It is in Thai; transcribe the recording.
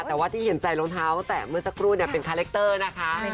แต่ว่าที่เห็นใส่รองเท้าแตะเมื่อสักครู่เป็นคาแรคเตอร์นะคะ